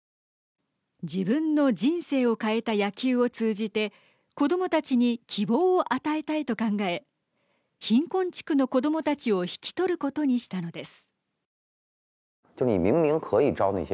自分の人生を変えた野球を通じて子どもたちに希望を与えたいと考え貧困地区の子どもたちを引き取ることにしたのです。